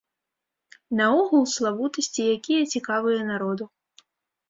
Наогул славутасці, якія цікавыя народу.